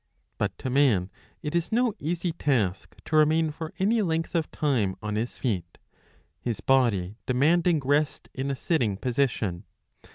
'^ But to man it is no easy task to remain for any length of time on his feet, his body demanding rest in a sitting position.